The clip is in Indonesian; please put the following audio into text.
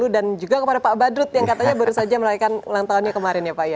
dan juga kepada pak badrut yang katanya baru saja meraihkan ulang tahunnya kemarin ya pak ya